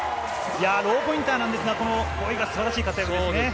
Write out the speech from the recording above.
ローポインターなんですが、ボイが素晴らしい活躍ですね。